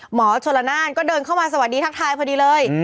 หมอชนละนานก็เดินเข้ามาสวัสดีทักทายพอดีเลย